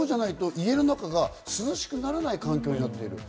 そうじゃないと、家の中が涼しくならない環境になっている。